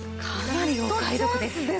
かなりお買い得です。